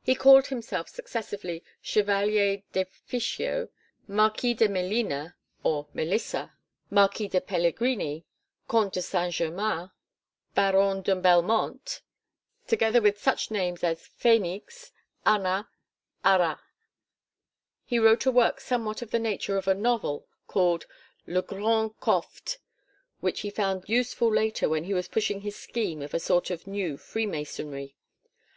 He called himself successively Chevalier de Fischio, Marquis de Melina (or Melissa), Marquis de Pellegrini, Comte de Saint German, Baron de Belmonte; together with such names as Fenix, Anna, Harat. He wrote a work somewhat of the nature of a novel called Le Grand Cophte which he found useful later when he was pushing his scheme of a sort of new Freemasonry.